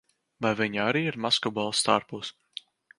Vai viņi arī ir maskuballes tērpos?